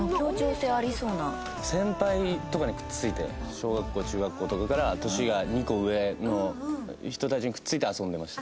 小学校中学校とかから年が２個上の人たちにくっついて遊んでました。